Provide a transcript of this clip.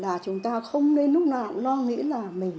là chúng ta không nên lúc nào lo nghĩ là mình